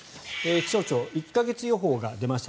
気象庁、１か月予報が出ました。